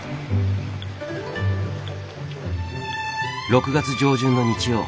６月上旬の日曜。